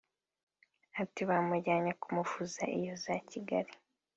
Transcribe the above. Ati “Bamujyanye kumuvuza iyo za Kigali